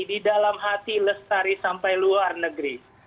di dalam hati lestari sampai luar negeri